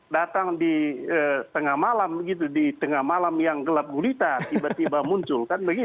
datang di tengah malam begitu di tengah malam yang gelap gulita tiba tiba muncul